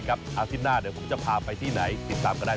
อาทิตย์หน้าเดี๋ยวผมจะพาไปที่ไหนติดตามก็ได้